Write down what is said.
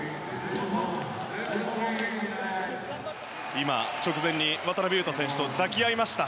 今、直前に渡邊雄太選手と抱き合いました。